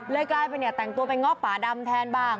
เรื่อยไปแต่งตัวเป็นงอกป่าดำแทนบ้าง